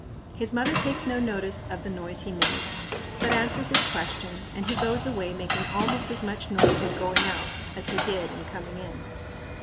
His mother takes no notice of the noise he made, but answers his question, and he goes away making almost as much noise in going out as he did in coming in.